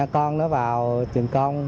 con nó vào trường công